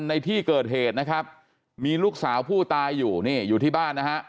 ในที่เกิดเหตุนะครับมีลูกสาวผู้ตายอยู่นี่อยู่ที่บ้านนะฮะ